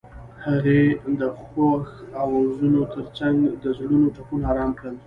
هغې د خوښ اوازونو ترڅنګ د زړونو ټپونه آرام کړل.